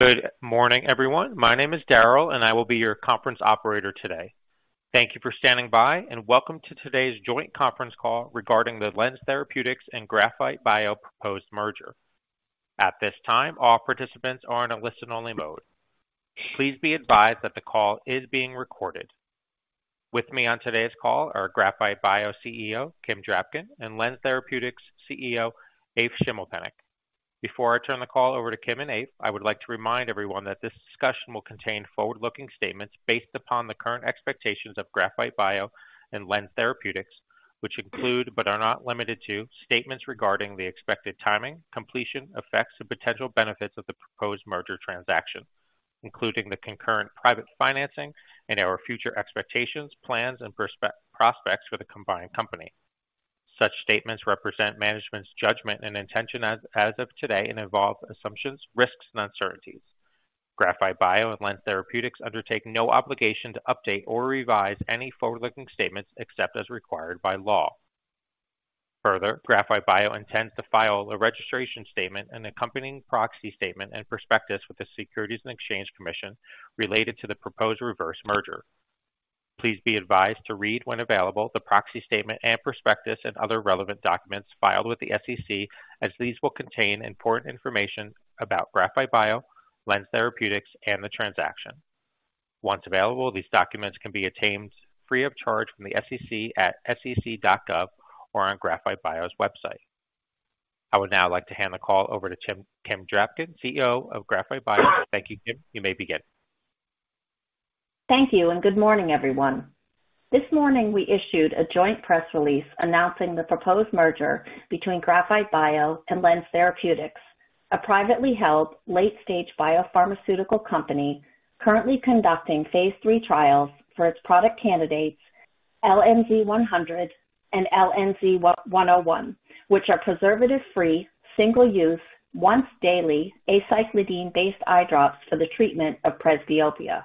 Good morning, everyone. My name is Daryl, and I will be your conference operator today. Thank you for standing by, and welcome to today's joint conference call regarding the LENZ Therapeutics and Graphite Bio proposed merger. At this time, all participants are in a listen-only mode. Please be advised that the call is being recorded. With me on today's call are Graphite Bio CEO, Kim Drapkin, and LENZ Therapeutics CEO, Eef Schimmelpenninck. Before I turn the call over to Kim and Eef, I would like to remind everyone that this discussion will contain forward-looking statements based upon the current expectations of Graphite Bio and LENZ Therapeutics, which include, but are not limited to, statements regarding the expected timing, completion, effects, and potential benefits of the proposed merger transaction, including the concurrent private financing and our future expectations, plans, and prospects for the combined company. Such statements represent management's judgment and intention as of today, and involve assumptions, risks, and uncertainties. Graphite Bio and LENZ Therapeutics undertake no obligation to update or revise any forward-looking statements except as required by law. Further, Graphite Bio intends to file a registration statement and accompanying proxy statement and prospectus with the Securities and Exchange Commission related to the proposed reverse merger. Please be advised to read, when available, the proxy statement and prospectus and other relevant documents filed with the SEC, as these will contain important information about Graphite Bio, LENZ Therapeutics, and the transaction. Once available, these documents can be obtained free of charge from the SEC at sec.gov or on Graphite Bio's website. I would now like to hand the call over to Kim, Kim Drapkin, CEO of Graphite Bio. Thank you, Kim. You may begin. Thank you, and good morning, everyone. This morning, we issued a joint press release announcing the proposed merger between Graphite Bio and LENZ Therapeutics, a privately held, late-stage biopharmaceutical company currently conducting phase 3 trials for its product candidates, LNZ100 and LNZ101, which are preservative-free, single-use, once-daily aceclidine-based eye drops for the treatment of presbyopia.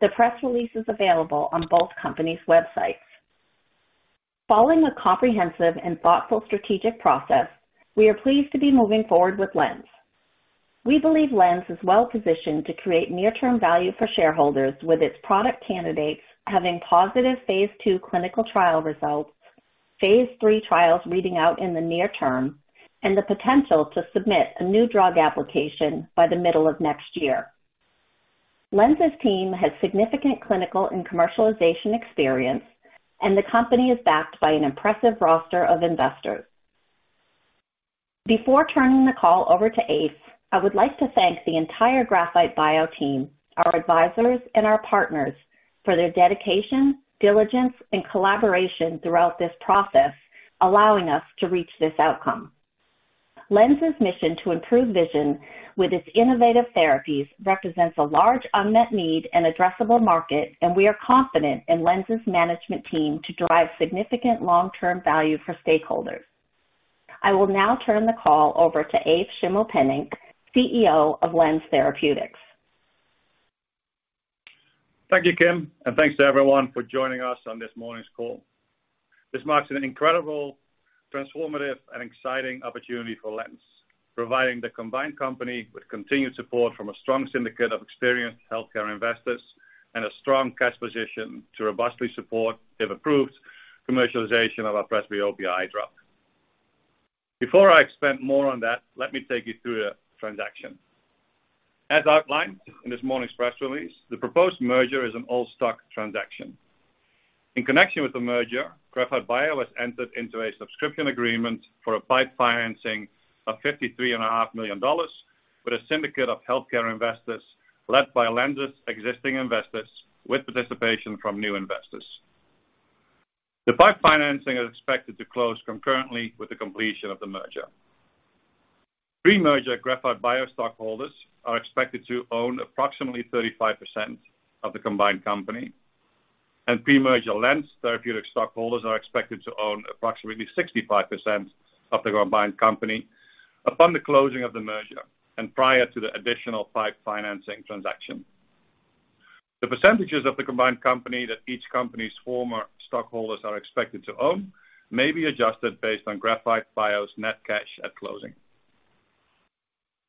The press release is available on both companies' websites. Following a comprehensive and thoughtful strategic process, we are pleased to be moving forward with LENZ. We believe LENZ is well positioned to create near-term value for shareholders, with its product candidates having positive phase 2 clinical trial results, phase 3 trials reading out in the near term, and the potential to submit a new drug application by the middle of next year. LENZ's team has significant clinical and commercialization experience, and the company is backed by an impressive roster of investors. Before turning the call over to Eef, I would like to thank the entire Graphite Bio team, our advisors, and our partners for their dedication, diligence, and collaboration throughout this process, allowing us to reach this outcome. LENZ's mission to improve vision with its innovative therapies represents a large unmet need and addressable market, and we are confident in LENZ's management team to drive significant long-term value for stakeholders. I will now turn the call over to Eef Schimmelpenninck, CEO of LENZ Therapeutics. Thank you, Kim, and thanks to everyone for joining us on this morning's call. This marks an incredible, transformative, and exciting opportunity for LENZ, providing the combined company with continued support from a strong syndicate of experienced healthcare investors and a strong cash position to robustly support, if approved, commercialization of our presbyopia eye drop. Before I expand more on that, let me take you through the transaction. As outlined in this morning's press release, the proposed merger is an all-stock transaction. In connection with the merger, Graphite Bio has entered into a subscription agreement for a PIPE financing of $53.5 million with a syndicate of healthcare investors led by LENZ's existing investors, with participation from new investors. The PIPE financing is expected to close concurrently with the completion of the merger. Pre-merger Graphite Bio stockholders are expected to own approximately 35% of the combined company, and pre-merger LENZ Therapeutics stockholders are expected to own approximately 65% of the combined company upon the closing of the merger and prior to the additional PIPE financing transaction. The percentages of the combined company that each company's former stockholders are expected to own may be adjusted based on Graphite Bio's net cash at closing.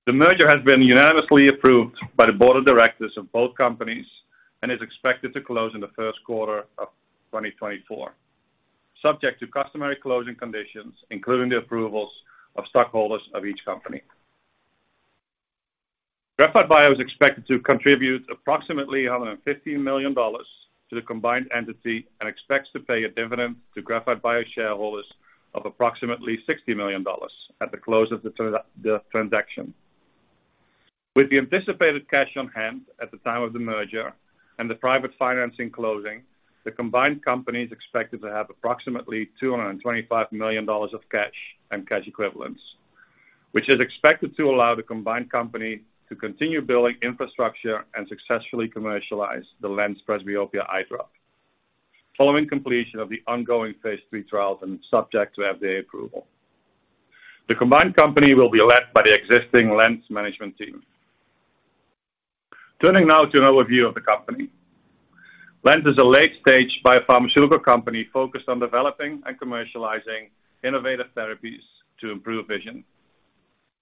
The merger has been unanimously approved by the board of directors of both companies and is expected to close in the first quarter of 2024, subject to customary closing conditions, including the approvals of stockholders of each company. Graphite Bio is expected to contribute approximately $150 million to the combined entity and expects to pay a dividend to Graphite Bio shareholders of approximately $60 million at the close of the transaction. With the anticipated cash on hand at the time of the merger and the private financing closing, the combined company is expected to have approximately $225 million of cash and cash equivalents, which is expected to allow the combined company to continue building infrastructure and successfully commercialize the LENZ presbyopia eye drop following completion of the ongoing phase 3 trials and subject to FDA approval. The combined company will be led by the existing LENZ management team. Turning now to an overview of the company. LENZ is a late-stage biopharmaceutical company focused on developing and commercializing innovative therapies to improve vision.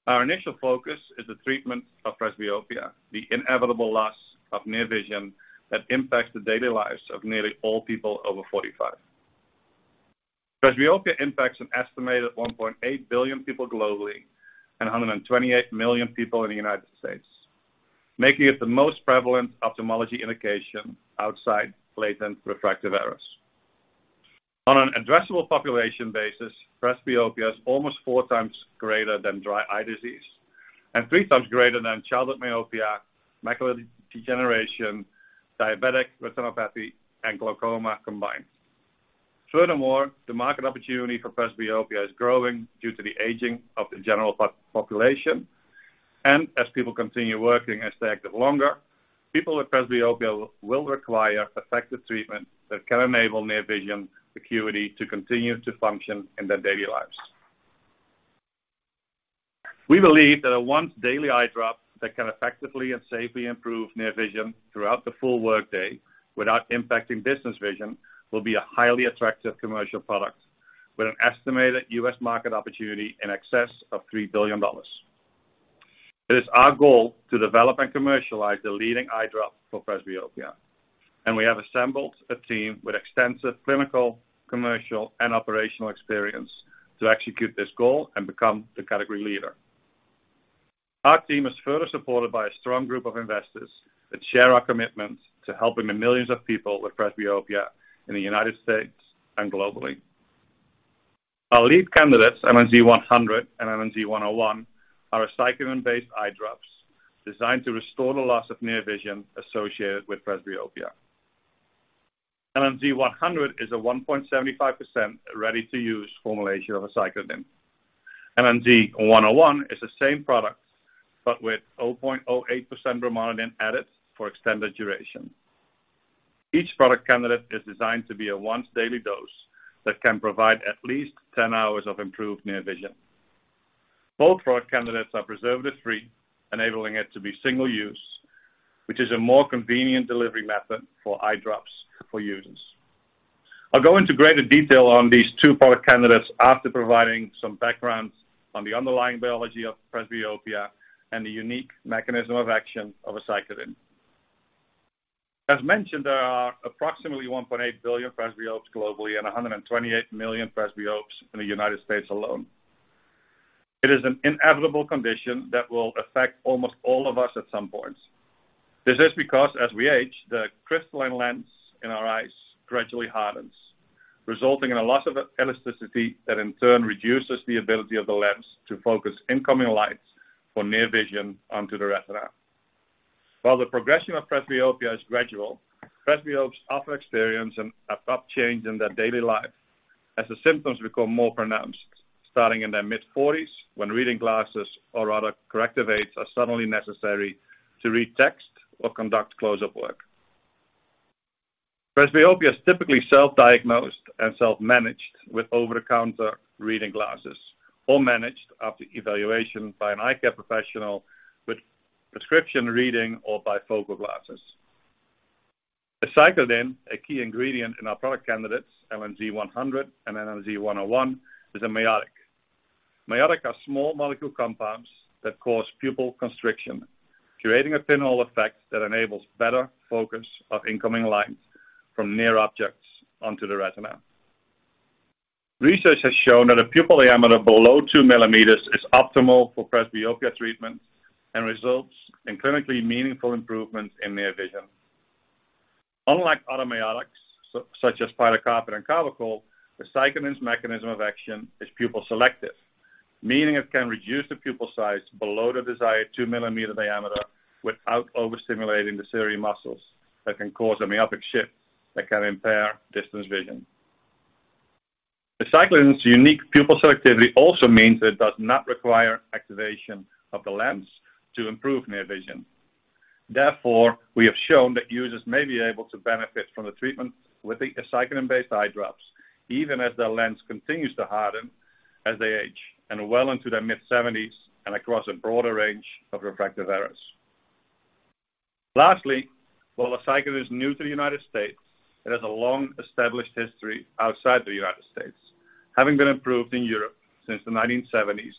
Our initial focus is the treatment of presbyopia, the inevitable loss of near vision that impacts the daily lives of nearly all people over 45. Presbyopia impacts an estimated 1.8 billion people globally and 128 million people in the United States, making it the most prevalent ophthalmology indication outside latent refractive errors. On an addressable population basis, presbyopia is almost 4 times greater than dry eye disease and 3 times greater than childhood myopia, macular degeneration, diabetic retinopathy, and glaucoma combined. Furthermore, the market opportunity for presbyopia is growing due to the aging of the general population, and as people continue working and stay active longer, people with presbyopia will require effective treatment that can enable near vision acuity to continue to function in their daily lives. We believe that a once-daily eye drop that can effectively and safely improve near vision throughout the full workday without impacting business vision, will be a highly attractive commercial product, with an estimated U.S. market opportunity in excess of $3 billion. It is our goal to develop and commercialize the leading eye drop for presbyopia, and we have assembled a team with extensive clinical, commercial, and operational experience to execute this goal and become the category leader. Our team is further supported by a strong group of investors that share our commitment to helping the millions of people with presbyopia in the United States and globally. Our lead candidates, LNZ100 and LNZ101, are aceclidine-based eye drops designed to restore the loss of near vision associated with presbyopia. LNZ100 is a 1.75% ready-to-use formulation of aceclidine. LNZ101 is the same product, but with 0.08% brimonidine added for extended duration. Each product candidate is designed to be a once-daily dose that can provide at least 10 hours of improved near vision. Both product candidates are preservative-free, enabling it to be single use, which is a more convenient delivery method for eye drops for users. I'll go into greater detail on these two product candidates after providing some background on the underlying biology of presbyopia and the unique mechanism of action of aceclidine. As mentioned, there are approximately 1.8 billion presbyopes globally and 128 million presbyopes in the United States alone. It is an inevitable condition that will affect almost all of us at some point. This is because as we age, the crystalline lens in our eyes gradually hardens, resulting in a loss of elasticity that in turn reduces the ability of the lens to focus incoming light for near vision onto the retina. While the progression of presbyopia is gradual, presbyopes often experience an abrupt change in their daily life as the symptoms become more pronounced, starting in their mid-forties, when reading glasses or other corrective aids are suddenly necessary to read text or conduct close-up work. Presbyopia is typically self-diagnosed and self-managed with over-the-counter reading glasses, or managed after evaluation by an eye care professional with prescription reading or bifocal glasses. Aceclidine, a key ingredient in our product candidates, LNZ100 and LNZ101, is a miotic. Miotics are small molecule compounds that cause pupil constriction, creating a pinhole effect that enables better focus of incoming light from near objects onto the retina. Research has shown that a pupil diameter below 2 millimeters is optimal for presbyopia treatment and results in clinically meaningful improvements in near vision. Unlike other miotics, such as pilocarpine and carbachol, aceclidine's mechanism of action is pupil selective, meaning it can reduce the pupil size below the desired 2-millimeter diameter without overstimulating the ciliary muscles that can cause a myopic shift that can impair distance vision. Aceclidine's unique pupil selectivity also means that it does not require activation of the lens to improve near vision. Therefore, we have shown that users may be able to benefit from the treatment with the aceclidine-based eye drops, even as the lens continues to harden as they age and well into their mid-70s and across a broader range of refractive errors. Lastly, while the aceclidine is new to the United States, it has a long-established history outside the United States, having been approved in Europe since the 1970s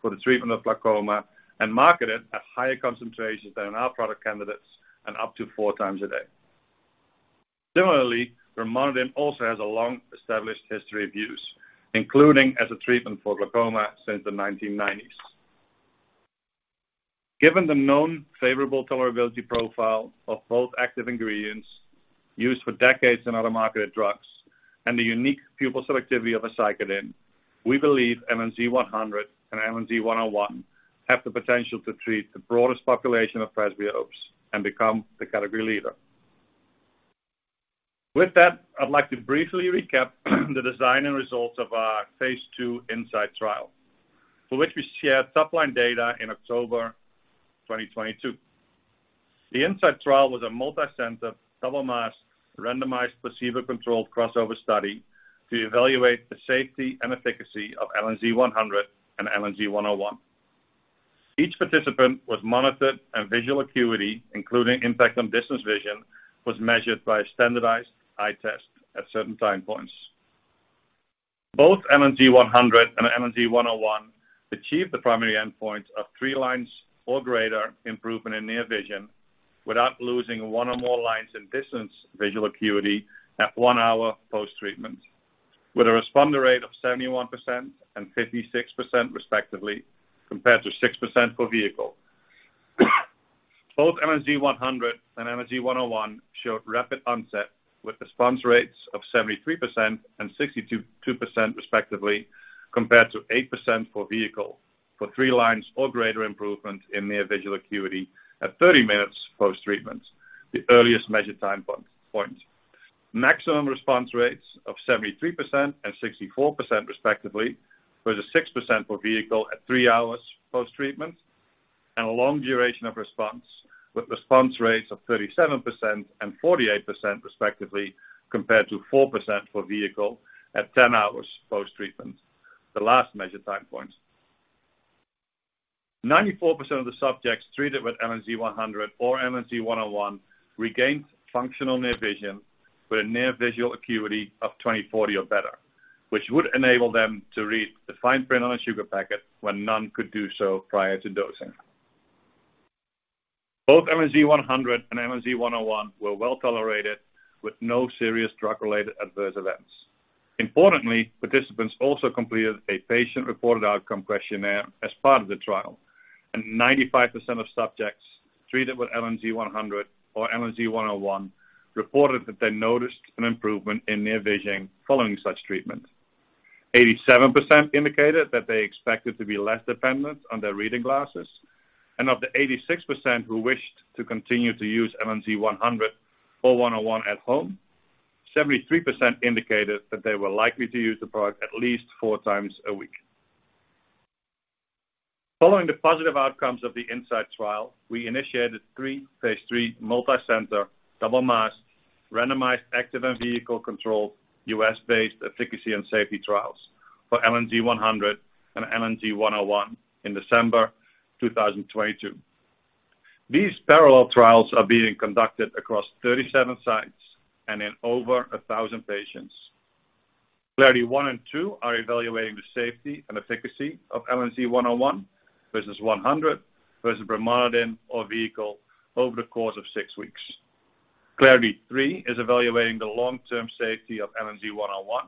for the treatment of glaucoma and marketed at higher concentrations than in our product candidates and up to four times a day. Similarly, brimonidine also has a long-established history of use, including as a treatment for glaucoma since the 1990s. Given the known favorable tolerability profile of both active ingredients used for decades in other marketed drugs and the unique pupil selectivity of aceclidine, we believe LNZ100 and LNZ101 have the potential to treat the broadest population of presbyopes and become the category leader. With that, I'd like to briefly recap the design and results of our phase 2 INSIGHT trial, for which we shared top-line data in October 2022. The INSIGHT trial was a multi-center, double-masked, randomized, placebo-controlled, crossover study to evaluate the safety and efficacy of LNZ100 and LNZ101. Each participant was monitored, and visual acuity, including impact on distance vision, was measured by a standardized eye test at certain time points. Both LNZ100 and LNZ101 achieved the primary endpoint of three lines or greater improvement in near vision, without losing one or more lines in distance visual acuity at 1 hour post-treatment, with a responder rate of 71% and 56% respectively, compared to 6% per vehicle. Both LNZ100 and LNZ101 showed rapid onset, with response rates of 73% and 62% respectively, compared to 8% for vehicle, for three lines or greater improvement in near visual acuity at 30 minutes post-treatment, the earliest measured time point. Maximum response rates of 73% and 64% respectively, versus 6% for vehicle at 3 hours post-treatment, and a long duration of response, with response rates of 37% and 48% respectively, compared to 4% for vehicle at 10 hours post-treatment, the last measured time point. 94% of the subjects treated with LNZ100 or LNZ101 regained functional near vision with a near visual acuity of 20/40 or better, which would enable them to read the fine print on a sugar packet when none could do so prior to dosing. Both LNZ100 and LNZ101 were well-tolerated, with no serious drug-related adverse events. Importantly, participants also completed a patient-reported outcome questionnaire as part of the trial, and 95% of subjects treated with LNZ100 or LNZ101 reported that they noticed an improvement in near vision following such treatment. 87% indicated that they expected to be less dependent on their reading glasses, and of the 86% who wished to continue to use LNZ100 or 101 at home, 73% indicated that they were likely to use the product at least four times a week. Following the positive outcomes of the INSIGHT trial, we initiated 3 phase 3 multicenter, double-masked, randomized, active, and vehicle-controlled, U.S.-based efficacy and safety trials for LNZ100 and LNZ101 in December 2022. These parallel trials are being conducted across 37 sites and in over 1,000 patients. CLARITY 1 and 2 are evaluating the safety and efficacy of LNZ101 versus LNZ100, versus brimonidine or vehicle over the course of 6 weeks. CLARITY 3 is evaluating the long-term safety of LNZ101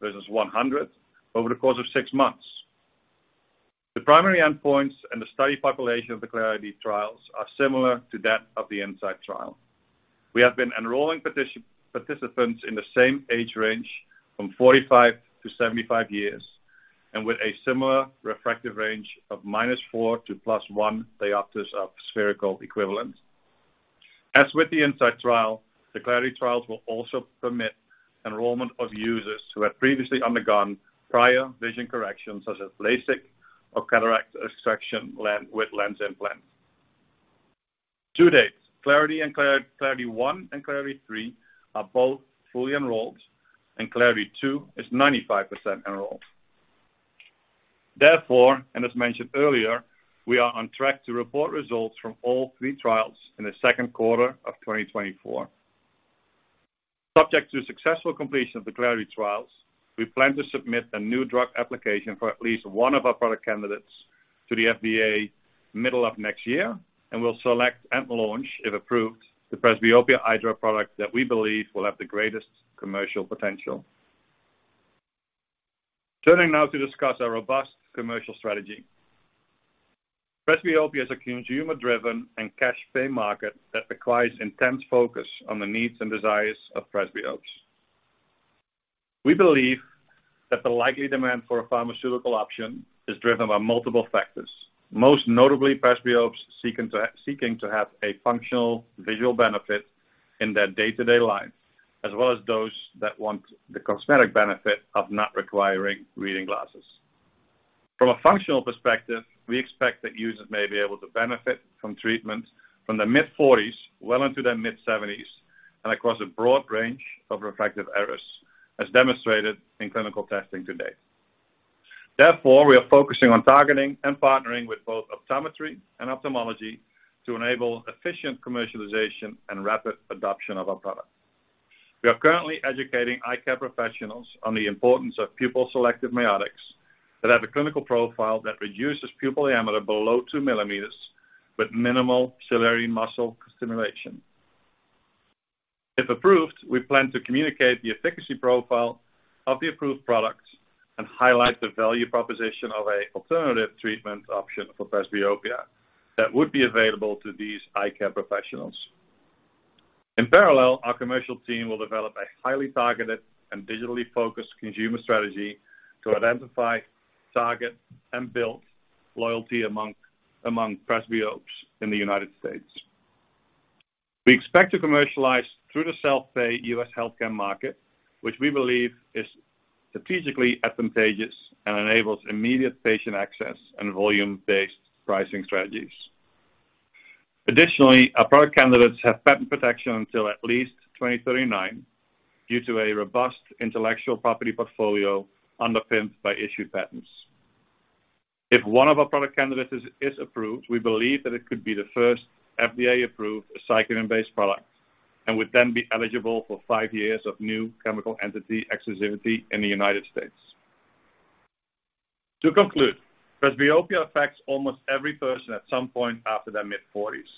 versus LNZ100 over the course of 6 months. The primary endpoints and the study population of the CLARITY trials are similar to that of the INSIGHT trial. We have been enrolling participants in the same age range from 45 to 75 years, and with a similar refractive range of -4 to +1 diopters of spherical equivalent. As with the INSIGHT trial, the CLARITY trials will also permit enrollment of users who have previously undergone prior vision correction, such as LASIK or cataract extraction with lens implants. To date, CLARITY 1 and CLARITY 3 are both fully enrolled, and CLARITY 2 is 95% enrolled. Therefore, and as mentioned earlier, we are on track to report results from all three trials in the second quarter of 2024. Subject to successful completion of the CLARITY trials, we plan to submit a new drug application for at least one of our product candidates to the FDA middle of next year, and we'll select and launch, if approved, the presbyopia eye drop product that we believe will have the greatest commercial potential. Turning now to discuss our robust commercial strategy. Presbyopia is a consumer-driven and cash pay market that requires intense focus on the needs and desires of presbyopes. We believe that the likely demand for a pharmaceutical option is driven by multiple factors, most notably presbyopes seeking to have a functional visual benefit in their day-to-day life, as well as those that want the cosmetic benefit of not requiring reading glasses. From a functional perspective, we expect that users may be able to benefit from treatment from their mid-forties well into their mid-seventies and across a broad range of refractive errors, as demonstrated in clinical testing to date. Therefore, we are focusing on targeting and partnering with both optometry and ophthalmology to enable efficient commercialization and rapid adoption of our product. We are currently educating eye care professionals on the importance of pupil selective miotics that have a clinical profile that reduces pupil diameter below 2 millimeters with minimal ciliary muscle stimulation. If approved, we plan to communicate the efficacy profile of the approved products and highlight the value proposition of an alternative treatment option for presbyopia that would be available to these eye care professionals. In parallel, our commercial team will develop a highly targeted and digitally focused consumer strategy to identify, target, and build loyalty among presbyopes in the United States. We expect to commercialize through the self-pay U.S. healthcare market, which we believe is strategically advantageous and enables immediate patient access and volume-based pricing strategies. Additionally, our product candidates have patent protection until at least 2039, due to a robust intellectual property portfolio underpinned by issued patents. If one of our product candidates is approved, we believe that it could be the first FDA-approved aceclidine-based product and would then be eligible for five years of new chemical entity exclusivity in the United States. To conclude, presbyopia affects almost every person at some point after their mid-forties,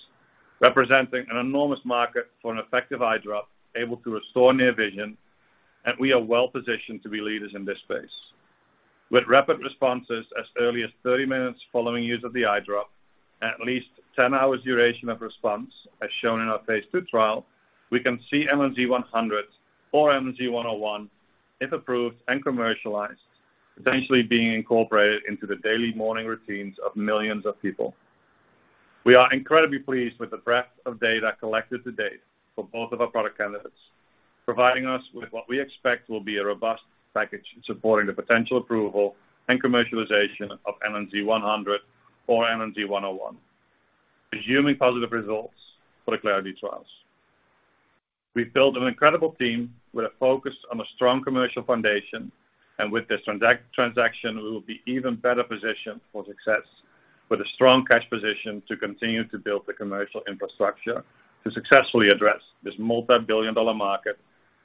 representing an enormous market for an effective eye drop, able to restore near vision, and we are well-positioned to be leaders in this space. With rapid responses as early as 30 minutes following use of the eye drop, at least 10 hours duration of response, as shown in our phase 2 trial, we can see LNZ100 or LNZ101, if approved and commercialized, potentially being incorporated into the daily morning routines of millions of people. We are incredibly pleased with the breadth of data collected to date for both of our product candidates, providing us with what we expect will be a robust package supporting the potential approval and commercialization of LNZ100 or LNZ101, assuming positive results for the CLARITY trials. We've built an incredible team with a focus on a strong commercial foundation, and with this transaction, we will be even better positioned for success, with a strong cash position to continue to build the commercial infrastructure to successfully address this multibillion-dollar market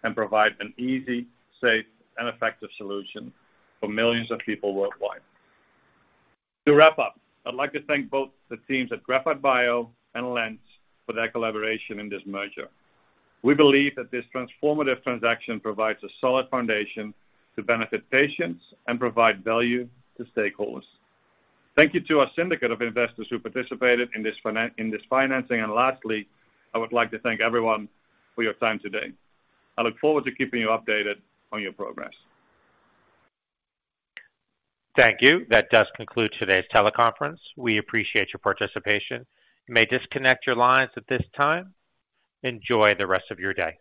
and provide an easy, safe, and effective solution for millions of people worldwide. To wrap up, I'd like to thank both the teams at Graphite Bio and LENZ for their collaboration in this merger. We believe that this transformative transaction provides a solid foundation to benefit patients and provide value to stakeholders. Thank you to our syndicate of investors who participated in this financing. And lastly, I would like to thank everyone for your time today. I look forward to keeping you updated on your progress. Thank you. That does conclude today's teleconference. We appreciate your participation. You may disconnect your lines at this time. Enjoy the rest of your day.